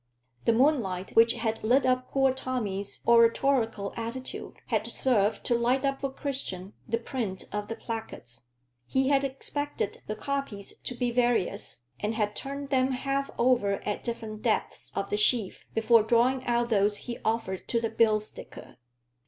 The moonlight, which had lit up poor Tommy's oratorical attitude, had served to light up for Christian the print of the placards. He had expected the copies to be various, and had turned them half over at different depths of the sheaf before drawing out those he offered to the bill sticker.